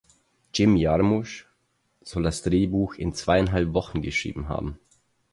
Jim Jarmusch soll das Drehbuch in zweieinhalb Wochen geschrieben haben.